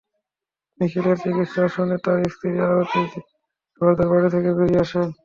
নিখিলের চিৎকার শুনে তাঁর স্ত্রী আরতি জোয়ারদার বাড়ি থেকে বেরিয়ে আসেন।